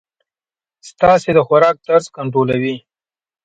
ستاسي د خوراک طرز کنټرولوی.